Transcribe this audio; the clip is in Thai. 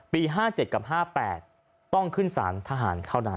ปี๕๕๗กับ๕๕๘ต้องขึ้นพฤษณภัณฑ์เท่านั้น